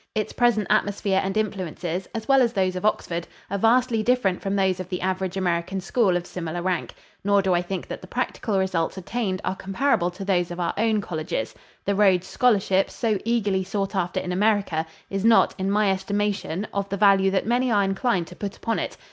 Its present atmosphere and influences, as well as those of Oxford, are vastly different from those of the average American school of similar rank; nor do I think that the practical results attained are comparable to those of our own colleges. The Rhodes scholarship, so eagerly sought after in America, is not, in my estimation, of the value that many are inclined to put upon it.